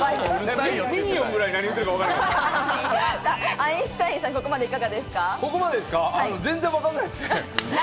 アインシュタインさん、全然わかんないっすね。